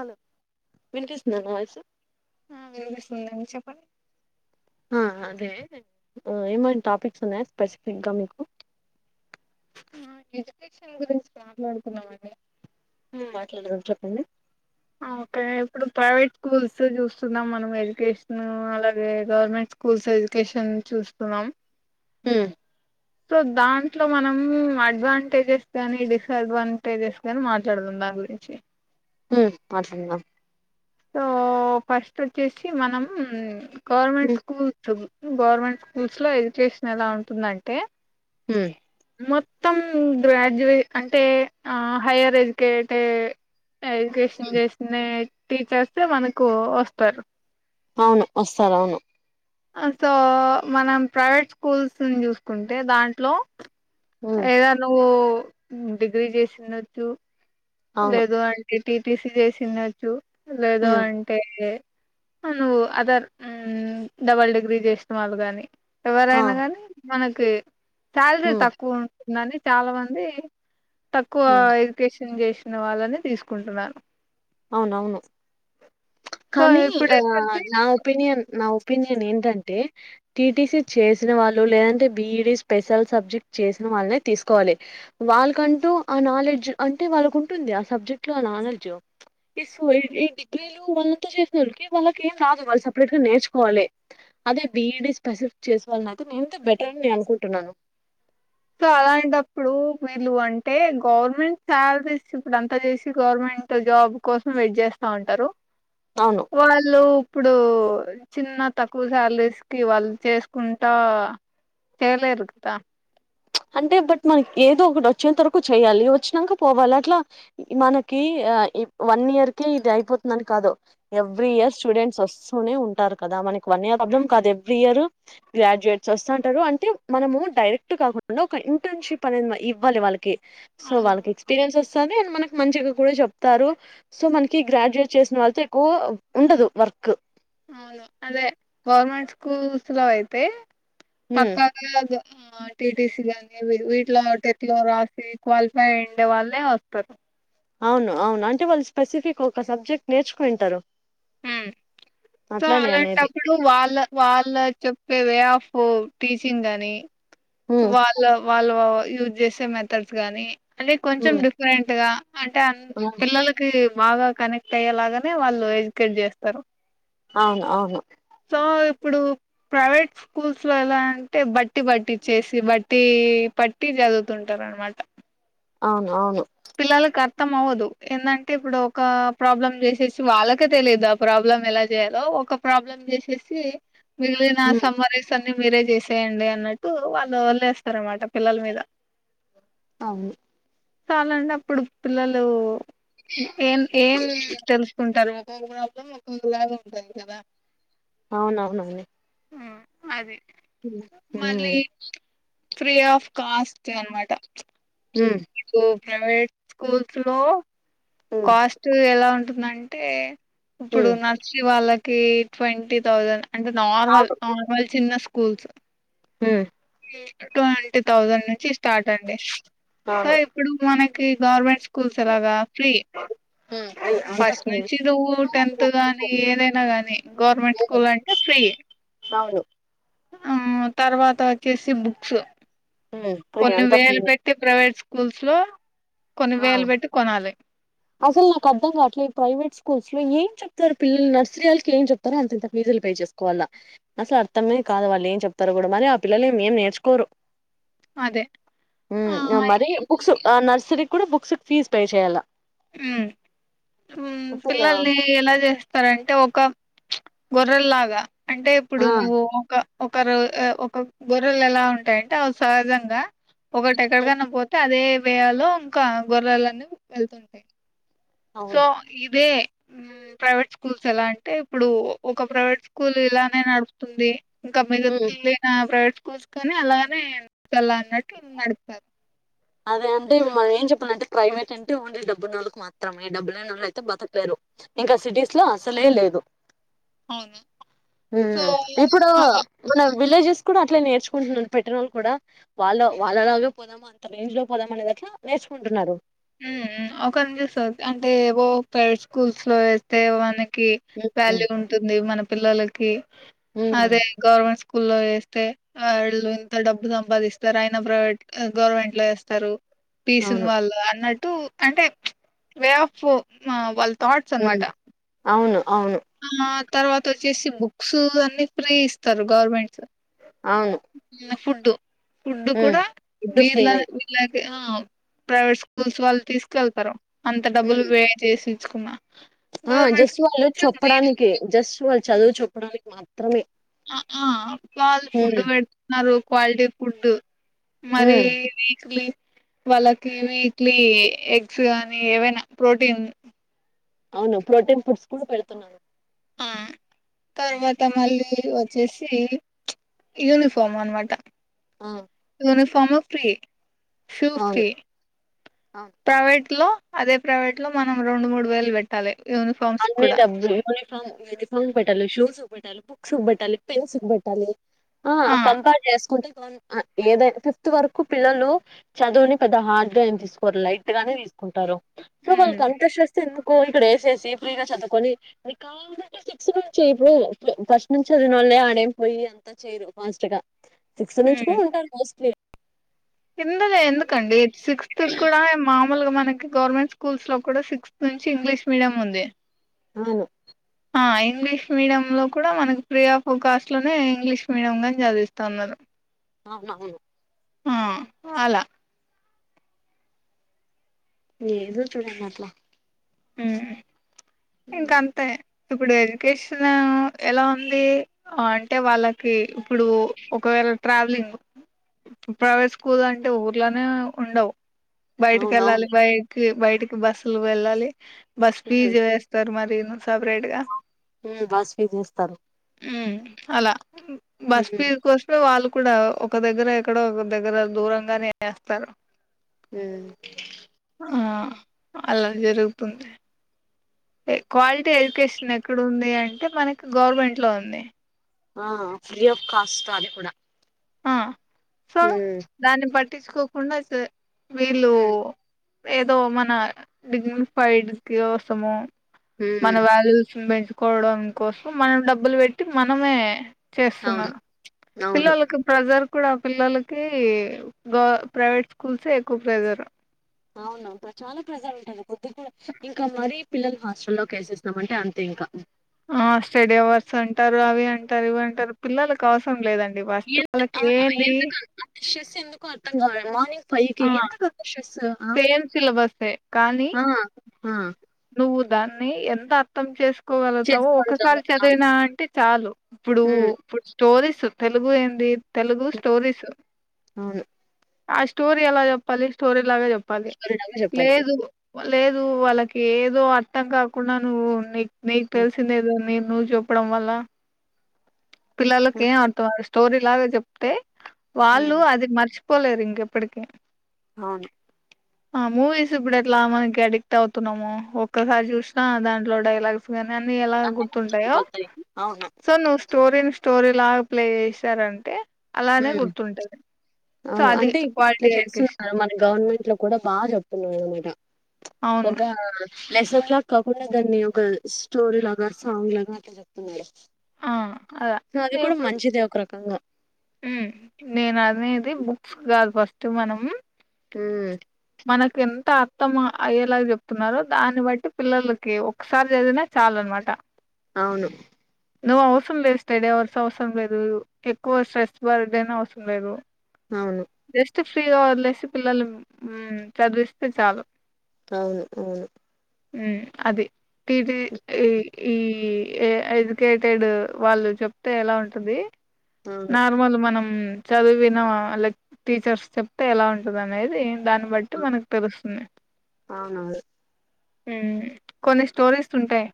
Hello వినుపిస్తుంద నా voice ఆ వినిపిస్తుందండి చెప్పండి ఆ అదే ఏమనా టాపిక్స్ ఉన్నాయా స్పెసిఫిక్గా మీకు ఎడ్యుకేషన్ గురించి మాట్లాడుతున్నామండి ఉ మాట్లాడదాం చెప్పండి ఓకే ఇప్పుడు ప్రైవేట్ స్కూల్స్ చూస్తున్నాం మనం ఎడ్యుకేషన్ అలాగే గవర్నమెంట్ స్కూల్స్ ఎడ్యుకేషన్ చూస్తున్నాం ఉ సో దాంట్లో మనం అడ్వాంటేజెస్ కాని డిస్అడ్వాంటేజెస్ గాని మాట్లాడదాం దాని గురించి ఉ మాట్లాడండి సో ఫస్ట్ వచ్చేసి మనం గవర్నమెంట్ మ్మ్ స్కూల్స్ గవర్నమెంట్ స్కూల్స్ లో ఎడ్యుకేషన్ ఎలా ఉంటుందంటే ఉ మొత్తం గ్రాడ్యుయే అంటే హైయర్ ఎడ్యుకేటెడ్ ఎడ్యుకేషన్ చేసిన టీచర్సే మనకు వస్తారు అవును వస్తారవును ఆ సో మనం ప్రైవేట్ స్కూల్స్ చూసుకుంటే దాంట్లో మ్మ్ ఏద నువ్ ఉమ్ డిగ్రీ చేసిండచ్చు అవును లేదు అంటే టీటీసి చేసిండొచ్చు లేదో మ్మ్ అంటే నువ్వు అదర్ డబల్ డిగ్రీ చేస్తు వాళ్ళు గాని ఆ ఎవరైనా గాని మన కే సాలరీ మ్మ్ తక్కువ నని చాలా మంది తక్కువ మ్మ్ ఎడ్యుకేషన్ సింగేష్ తిన వాళ్ళని తీసుకుంటున్నాను అవునవును సో కానీ ఇప్పుడు ఆ ఏంటంటే నా ఒపీనియన్ నా ఒపీనియన్ ఏంటంటే టీటీసీ చేసిన వాళ్ళు లేదంటే బిఈడి స్పెషల్ సబ్జెక్ట్ చేసిన వాళ్ళనే తీసుకోవాలి వాళ్ళకంటూ ఆ నాలెడ్జ్ అంటే వాళ్ళకు ఉంటుంది ఆ సబ్జెక్ట్ లో ఆ నాలెడ్జ్ ఈ డిగ్రీలు వాళ్ళంత చేసిననోళ్ళకి ఏం రాదు వాళ్ళు సపరేట్ గా నేర్చుకోవాలి అదే బిఈడి స్పెషల్ చేసినవాళ్లనైతే ఎంతో బెటర్ అని నేను అనుకుంటున్నాను సో అలాంటప్పుడు వీళ్ళు అంటే గవర్నమెంట్ సాలరీస్ ఇప్పుడు అంతా చేసి గవర్నమెంట్ జాబ్ కోసం వెయిట్ చేస్తా ఉంటారు అవును వాళ్ళు ఇప్పుడు చిన్న తక్కువ శాలరీస్ కి వాళ్ళు చేసుకుంటా చేయలేరు కదా అంటే బట్ మనకి ఏదో ఒకటి వచ్చేంత వరకు చేయాలి వచ్చినాక పోవాలి అట్లా మనకి వన్ ఇయర్కే ఇది అయిపోతుందని కాదు ఎవ్రీ ఇయర్ స్టూడెంట్స్ వస్తూనే ఉంటారు కదా మనకి వన్ ఇయర్ ప్రాబ్లం కాదు ఎవ్రీ ఇయర్ గ్రాడ్యుయేట్స్ వస్తంటారు అంటే మనము డైరెక్ట్ కాకుండా అ ఒక ఇంటర్న్షిప్ అనేది ఇవ్వాలి వాళ్ళకి సో అవును వాళ్ళకి ఎక్స్పీరియన్స్ వస్తుంది సరె అని మనకి మంచిగా కూడా చెప్తారు సో మనకి గ్రాడ్యుయేట్ చేసిన వాళ్ళతో ఎక్కువ ఉండదు వర్క్ అవును అదే గవర్నమెంట్ స్కూల్స్ లో అయితే ఉమ్ పక్కాగా ఆ టీటీసీ గాని వీట్లో టెట్ లో రాసి క్వాలిఫై అయిండే వాళ్ళే వస్తారు అవును అవును అంటే వాళ్ళు స్పెసిఫిక్ ఒక సబ్జెక్ట్ నేర్చుకోయింటారు ఉమ్ సో అనేది అలాంటప్పుడు వాళ్ళ వాళ్ళ చెప్పే వే ఆఫ్ ఓ టీచంగ్ గాని ఉమ్ వాళ్ళ వాళ్ళ యూజ్ చేసే మెథడ్స్ గానీ అంటే కొంచెం డిఫరెంట్ గా అంటే అన్ ఉమ్ పిల్లలకి బాగా కనెక్ట్ అయ్యేలాగానే వాళ్ళు ఎడ్యు కేట్ చేస్తారు అవును అవును ఆ ఇప్పుడు ప్రైవేట్ స్కూల్స్ లో ఎలా అంటే బట్టి బట్టి చేసి బట్టి పట్టి చదువుతుంటారునమాట. అవును అవును పిల్లలకి అర్థం అవ్వదు. ఏందంటే ఇప్పుడు ఒక ప్రాబ్లం చేసేసి వాళ్ళకే తెలియదు. ఆ ప్రాబ్లం ఎలా చేయాలో ఒక ప్రాబ్లం చేసేసి మీగిలిన ఉమ్ సమ్మరీస్ అని మీరే చేసేయండి అన్నట్టు వాళ్ళు వలేస్తారు అనమాట పిల్లల మీద. అవును చాలండిఅప్పుడు పిల్లలు ఏం ఏం తెలుసుకుంటారు. ఒక ప్రాబ్లం ఒక్కొక్కలా ఉంటది కదా. అవునవునవును అండి ఆ అది మళ్ళీ ఊ ఫ్రీ ఆఫ్ కాస్ట్ అనమాట చ్ మ్మ్ గో ప్రైవేట్ స్కూల్స్ లో ఉమ్ కాస్ట్ ఎలా నంటే ఇప్పుడు ఉమ్ నర్చ్చి వాళ్ళకి ఏ ట్వంటీ థౌజండ్ అంటే నార్మల్ నార్మల్ చిన్న స్కు కుల్స ఉ ట్వంటీ థౌజండ్ నుంచి ఇ స్టార్ట్ అండి సో అవును ఇప్పుడు మనకి కి గవర్నమెంట్స్ స్కూల్స్ ఎలాగా ఫ్రీ ఉమ్ అయ్ అంతా ఫస్ట్ ఫ్రీనే నుంచి నువ్వు టెన్త్ కానీ ఏదైనా కానీ గవర్నమెంట్ స్కూల్ అంటే ఫ్రీ. అవును ఆ తర్వాత వచ్చేసి బుక్స్ ఉమ్ అయ్ కొన్ని అంతా వేలు ఫ్రీనే పెట్టి ప్రైవేట్ స్కు గుల్సులో ఆ అసలు నాకు అర్ధం కాట్లే ఈ ప్రైవేట్ స్కూల్ అసలు ఏం చెప్తారు పిల్లలు నర్సరీ వాళ్ళకి ఏం చెప్తారో అంత ఇంత ఫీజులు పే చేసుకోవాల అసలు అర్థమే కాదు. వాళ్ళు ఏం చెప్తారు కూడా మరి ఆ పిల్లలు ఏం నేర్చుకోరు. అదే ఆ ఉ మరి బుక్స్ ఆ నర్సరి కూడా బుక్స్ కి ఫీజ్ పే చేయాలా ఉ ఊ అసలు పిల్లల్ని ఎలా చేస్త సార అంటే ఒక గొర్రెల్లాగా అంటే ఇప్పుడు ఆ నువ్వు ఒక ఒకరు ఒక గొర్రెలు ఎలా ఉంటాయంటే అవి సహజంగా ఒకటి ఎక్కడకన్నా పోతే అదే వేయాలో ఇంకా గొర్రాలన్నీ వెళ్తుంటాయి సో అవును ఇదే ప్రైవేట్ స్కూల్స్ ఎలా అంటే ఇప్పుడు ఒక ప్రైవేట్ స్కూల్ ఇలానే నడుపుతుంది ఇంక మీదట ఉమ్ నుండి ఐనా ప్రైవేట్ స్కూ చూసుకొని అలానే తెలవన్నట్టు నడుపుతారు అదే అంటే మనం ఏం చెప్పాలంటే ప్రైవేట్ అంటే ఓన్లీ డెబ్బునోలకి మాత్రమే డెబ్బులేనోలైతే బతకలేరు ఇంకా సిటీస్ లో అసలే లేదు అవును సో ఇప్పుడు అలా మన విలేజెస్ కూడా అట్లే నేర్చుకుంటున్నాను పెట్టిన వాళ్ళు కూడా వాళ్ళ వాళ్ళలాగే పోదామా అని రేంజ్లో పోదాం అనేది అట్లా నేర్చుకుంటున్నారు హ్మ్ హ్మ్ ఒకరిని చూస్తే అంటే ఏవో ప్రైవేట్ స్కూల్స్ లో వేస్తమేమో అని మ్మ్ వాల్యూ ఉంటుంది మన పిల్లలకి మ్మ్ అదే గవర్నమెంట్ సు స్కూల్లో వేస్తే వాళ్ళు ఇంత డబ్బు సంపాదిస్తారు అయన ప్రైవేట్ గవర్నమెంట్ లో వేస్తారు పీసును అవును వాళ్ళు అట్టు అంటే వే ఆఫ్ వాల్ అవును అవును ఆ తర్వాత వచ్చేసి బుక్స్ అన్ని ఫ్రీ ఇస్తారు గవర్నమెంట్ అవును ఫుడ్డు ఫుడ్ మ్మ్ కూడా ఫుడ్ విళ్ళ ఫ్రీనే విళ్ళ ఆ ప్రైవేట్ స్కూ ల్స్ వాళ్లు తీసుకెళ్తారా అంత డబ్బులు హ్మ్. వే చేేసి సుకుమా ఆ జస్ట్ వాళ్ళు చెప్పడానికే జస్ట్ వాళ్ళు చదువు చప్పడానికి మాత్ర త్రమే ఆ వాళ్ళు ఫుడ్ పెడుతున్నారు క్వాలిటీ ఫుడ్ మరి మ్మ్ వీక్లీ వాళ్ళకి వీక్లీ ఎగ్స్ కానీ ఏవైనా ప్రోటీన్ అవును ప్రోటీన్ ఫుడ్స్ కూడా పెడుతున్నాను ఆ తర్వాత మళ్ళీ వచ్చేసి యూనిఫామ్ అనమాట హుమ్ యూనిఫార్మ్ ఫ్రీ షూ ఫ్రీ అవును ప్రైవేట్ లో అదే ప్రైవేట్ లో మనం రెండు మూడు వేలు పెట్టాలి యూనిఫామ్స్ అన్ని కూడా డబ్బు మేడమ్ మేము ఫీజు కట్టాలి, షూస్ కి పెట్టాలి, బుక్స్ కి పెట్టాలి, పెన్స్ కి పెట్టాలి. ఆ కంపేర్ చేసుకుంటే ఏద ఫిఫ్త్ వరకు పిల్లలు చదువుని పెద్ద హార్డ్ గా ఏం తీసుకోవరు లైట్ గానే తీసు టారు సో వాళ్ళ ఉమ్ అంత శాస్తి ఎందుకు కొ ఇక్కడ ఎసేసి ఫ్రీగా చదువుకొని నీకు కావాలంటే సిక్స్ నుంచి ఇప్పుడు ఫస్ట్ నుంచి చదివిన వాళ్ళే ఆడేం పోయి అంతా చేయరు ఫాస్ట్ గా సిక్స్త్ నుంచి కూడా ఉంటారు మోస్ట్లీ కిందనే ఎందుకండి సిక్స్త్ కూడా మామలుగా మనకి గవర్నమెంట్ స్కూల్స్ లో కూడా సిక్స్త్ నుంచి ఇంగ్లీష్ మీడియం ఉంది అవును ఆ ఇంగ్లీష్ మీడియం లో కూడా మనకు ఫ్రీ ఆఫ్ కాస్ట్ లోనే ఇంగ్లీష్ మీడియం గాని చదివిస్తా ఉన్నారు అవునవును ఆ అలా ఏందో చదివిన అట్లా హుమ్ ఇంకంతే ఇప్పుడు ఎడ్యుకేషన్ ఎలా ఉంది అంటే వాళ్ళకి ఇప్పుడు ఒకవేళ ట్రావెలింగ్ ప్రైవేట్ స్కూల్ అంటే ఊర్లోనే ఉండవు బయటకి వెళ్ళాల అవునవును బయకి బయట ఇక బస్లు వెళ్ళాలి బస్ ఫీజు వేస్తారు మరి పను బాస్పీ చేస్తారు హుమ్ అలా ఉమ్ బస్పిీ కోసమే వాళ్ళ కూడా ఒక దగ్గర ఎక్కడో ఒక దగ్గర దూరంగానే వేస్తారు హ్మ్మ్ ఆ అలా జరుగు తుంది క్వాలిటీ ఎడ్యుకేషన్ ఎక్కడుంది అంటే మనకి గవర్నమెంట్ లో ఉంది ఆ ఫ్రీ ఆఫ్ కాస్ట్ అది కూడా ఆ సో దాని పట్ తీసుకోకుండా వీళ్ళు ఉమ్ ఏదో మన డిగ్ని ఫైడ్ కి కోసమో మన ఉమ్ వాళ్ళు పెంచుకోవడం కోసం మనం డబ్బులు పెట్టి మనమే అవును చేస్తున్నారు అవును పిల్లలకు ప్రెజర్ కూడా పిల్లలకి గౌ ప్రైవేట్ స్కూల్స్ ఏ ఎక్కువ ప్రెజర్ అవును చాలా ప్రెజర్ ఉంటది. కొద్దిగా కూడా ఇంకా మరీ పిల్లల్ హాస్టల్లోకి ఏసేస్తామంటే అంతే ఇంకా ఆ స్టడీ అవర్స్ అంటారు అవి అంటారు ఇవి అంటారు పిల్లలకు అవసరం లేదండి ఫస్ట్ ఎం- వాళ్ళకి ఆ ఏంది ఎందుకు స్ట్రెస్ ఎందుకో అర్థం కాలే మార్నింగ్ పైకి ఆ ఎందుకు అంత షెస్స్ సేమ్ సిలబస్సే కానీ ఆ నువ్వు దాన్ని ఎంత అర్థం చేస్ గలుగుతావు ఒకసారి చేసుకోడము చదివిన అంటే చాలు ఇప్పుడు ఉమ్ ఇప్పుడు స్టోరీస్ సు తెలుగు ఏంది? తెలుగు స్టోరీస్ అవును ఆ స్టోరి ఎలా చెప్పాలి స్టోరిలాగ చెప్ పాలి సరిగా చెప్పాలి లేదు లేదు వాళ్ళకి ఏదో అర్థం కాకుండా నువ్వు నిక్ నీకు ఉమ్ తెలిసందేదో నేన్ నువ్వు చూపడం వల్ల పిల్లలకి ఉమ్, అడ్తోఐస్ [inaudible] స్టోరి లాగా చెప్తే వాళ్ళు అది మర్చ్ పోలేరు ఇంక ఎప్పటికీ అవును ఆ మూవీస్ ఇప్పుడు అట్లా మనకి అడిక్ట్ అవుతు న్నామో ఒక్కసారి చూసినా దాంట్లో డైలాగ్స్ విన్ అన్ని ఎలా గుర్తుంటాయో పోతాయి అవును సో నువ్ స్టోరీని స్టోరీ లాగా ప్లే చేసారంటే ఉమ్ సో అవును అది అంటే క్వాలిటీ ఇట్లా ఎడ్యుకేషన్ చేస్తున్నారు మన గవర్నమెంట్ లో కూడా బాగా చెప్తున్నారు అన్నమాట చుప్ అవును. ఒకా లెసన్ లాగా కాకుండా దాన్ని ఒక స్టోరీ లాగా సాంగ్ లాగా అట్లా చెప్తున్నాడు. ఆ! అలా అది కూడా మంచిదే ఒక రకంగా మ్మ్ నేను అనేది బుక్స్ కాదు ఫస్ట్ మనం హ్మూ మనకెంత అర్థం అయ్యేలాగా చెప్తున్నారో దాన్ని బట్టి పిల్లలకి ఒకసారి చదివినా చాలు అనమాట. అవును నువ్వు అవసరం లేదు, స్టడీ అవర్స్ అవసరం లేదూ, ఎక్కువ స్ట్రెస్ బర్డెన్ అవసరం లేదు. అవును చి ఫ్రీగా వదిలేసి పిల్లల్ని మ్మ్ చదివిస్తే చాలు. అవును అవును మ్మ్ అది ఇది ఈ ఈ ఎడ్యుకేటెడ్ వాళ్ళు చెప్తే ఎలా ఉంటది అవును నార్మల్ మనం చదివిన వాళ్ళకి టీచర్స్ చెప్తే ఎలా ఉంటది అనేది దాన్ని బట్టి మనకు తెలుస్తుంది. అవునా మ్మ్ కొన్ని స్టోరీస్ ఉంటయి.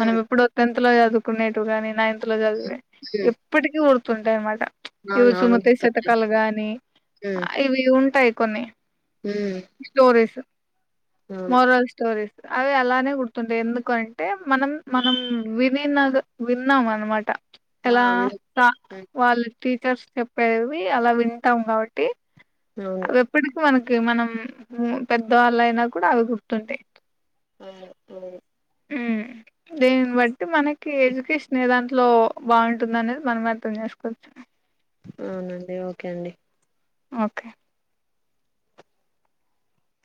మనం ఇప్పుడు టెన్ తులో చదువుకునేటివి గాని నైన్ తులో చదివి ఉమ్ ఎప్పటికి గుర్ తుంటది అనమట ఇవి అవునవును సుమతి గుర్తొచ్చాయి శతకలు గాని ఉమ్ ఇవి ఉంటయి. కొన్ని ఉమ్ స్టోరిస్ అవును మోరల్స్ స్టోరీస్ అవి అలానే గుర్తుంటయి, ఎందుకంటే మనం మనం వినినగు విన్నాం అన్నమాట ఆ ఎలా విను వ ఉమ్, వాళ్ళ్ టీచర్స్ చెప్పేవి అలా వింటం కాబట్టి, అవును అవి ఎప్పుటికి మనక్ కి మనం పెద్దవాళ్ళు అయినా కూడా అవి గుర్తుంటయి. మ్ మ్మ్ మ్మ్ దీన్ని బట్టి మనకి ఎడ్యుకేష్నే దాంట్లో బాగుంటుంది అనేది మనం అర్థం చేసుకోవచ్చు. అవునండి ఓకే అండి. ఓకే